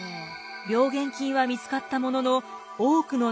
病原菌は見つかったものの多くの謎が残りました。